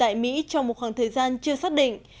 tại mỹ trong một khoảng thời gian chưa xác định